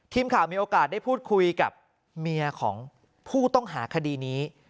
ทีมข่าวมีโอกาสได้พูดคุยกับเมียของผู้ต้องหาคดีนี้